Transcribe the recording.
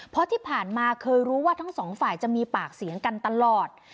เพราะที่ผ่านมาเคยรู้ว่าทั้งสองฝ่ายจะมีปากเสียงกันตลอด